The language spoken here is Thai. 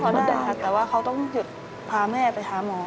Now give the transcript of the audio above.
พอได้ค่ะแต่ว่าของเขาต้องพาแม่ไปท้าหมอ